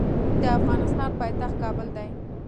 د افغانستان پایتخت کابل دی.